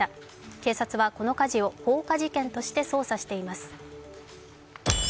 警察はこの火事を放火事件として捜査しています。